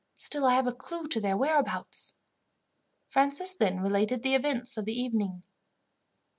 Still, I have a clue to their whereabouts." Francis then related the events of the evening.